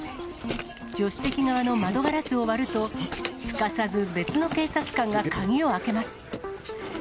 助手席側の窓ガラスを割ると、すかさず別の警察官が鍵を開けます。